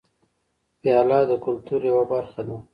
پیاله د کلتور یوه برخه ده.